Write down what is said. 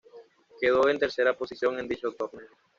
Quedó en tercera posición en dicho torneo.